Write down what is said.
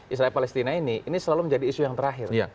israel palestina ini ini selalu menjadi isu yang terakhir